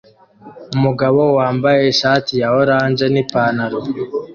Umugabo wambaye ishati ya orange nipantaro